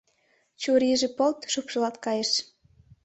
Чурийже полт шупшылалт кайыш.